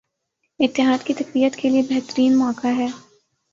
اتحاد کی تقویت کیلئے بہترین موقع ہے